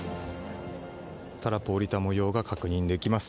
タラップを降りた模様が確認できます。